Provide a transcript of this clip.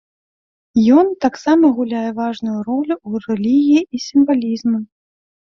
Ён таксама гуляе важную ролю ў рэлігіі і сімвалізму.